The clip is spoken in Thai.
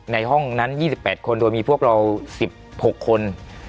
ในห้องนั้น๒๘คนโดยมีพวกเรา๑๖คน